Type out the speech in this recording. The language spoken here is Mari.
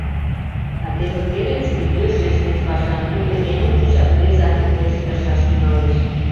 А теве Керенский йӧршеш вес паша, тудо эн ончычак кресаньык верч тыршаш тӱҥалеш.